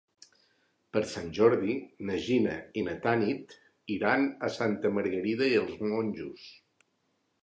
Per Sant Jordi na Gina i na Tanit iran a Santa Margarida i els Monjos.